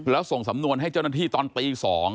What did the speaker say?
แล้วส่งสำนวนให้เจ้าหน้าที่ตอนตี๒